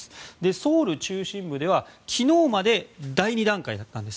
ソウル中心部では昨日まで第２段階だったんです。